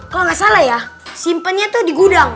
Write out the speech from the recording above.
kalau gak salah ya simpennya tuh di gudang